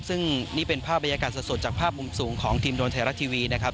ซึ่งนี่เป็นภาพบรรยากาศสดจากภาพมุมสูงของทีมโดนไทยรัฐทีวีนะครับ